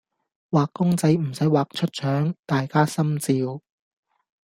畫公仔唔駛畫出腸，大家心照